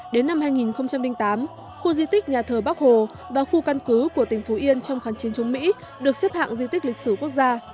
đến năm hai nghìn tám khu di tích nhà thờ bắc hồ và khu căn cứ của tỉnh phú yên trong kháng chiến chống mỹ được xếp hạng di tích lịch sử quốc gia